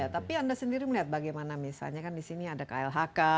tapi anda sendiri melihat bagaimana misalnya kan di sini ada klhk